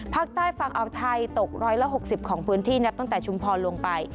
ภาคใต้ฝั่งอาวไทยตก๑๖๐ของพื้นที่นับตั้งแต่ชุมพรลงไป